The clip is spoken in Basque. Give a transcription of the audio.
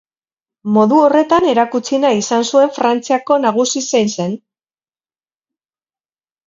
Modu horretan erakutsi nahi izan zuen Frantziako nagusi zein zen.